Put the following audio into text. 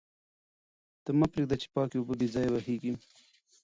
ته مه پرېږده چې پاکې اوبه بې ځایه بهېږي.